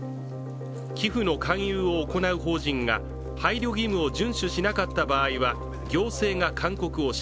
寄付の勧誘を行う法人が配慮義務を順守しなかった場合は行政が勧告をし